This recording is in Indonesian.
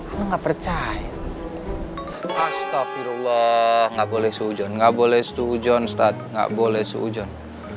enggak percaya astagfirullah nggak boleh seujuan nggak boleh seujuan start nggak boleh seujuan